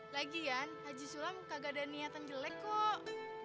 lagian haji sulam kagak ada niatan jelek kok